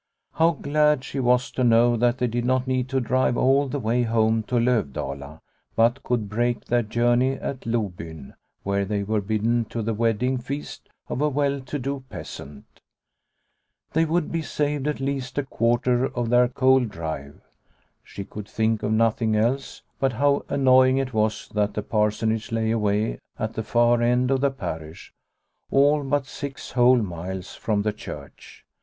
How glad she was to know that they did not need to drive all the way home to Lovdala, but could break their journey at Lobyn, where they were bidden to the wedding feast of a well to do peasant. They would be saved at least a quarter of their cold drive. She could think of nothing else, but how annoying it was that the Parsonage lay away at the far end of the parish, all but six whole miles from the church.